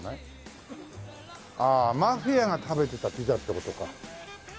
ああマフィアが食べてたピザって事か。